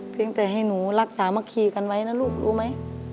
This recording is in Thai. แต่ให้หนูรักษามะคีกันไว้นะลูกรู้ไหม